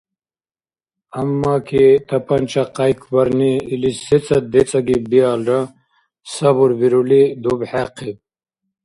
Аммаки тапанча къяйкбарни илис сецад децӀагиб биалра, сабурбирули, дубхӀехъиб.